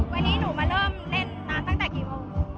วันนี้หนูมาเริ่มเล่นตั้งแต่กี่โมง